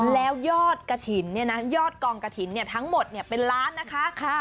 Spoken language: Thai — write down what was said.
แล้วยอดกระถิ่นยอดกองกระถิ่นทั้งหมดเป็นล้านนะคะ